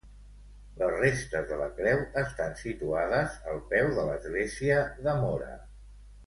Les restes de la creu estan situades al peu de l'església de Móra.